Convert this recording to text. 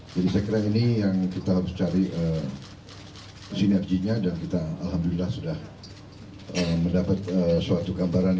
jadi saya kira ini yang kita harus cari sinerginya dan kita alhamdulillah sudah mendapat suatu gambaran